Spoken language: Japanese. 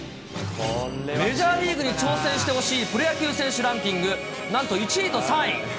メジャーリーグに挑戦してほしいプロ野球選手ランキング、なんと１位と３位。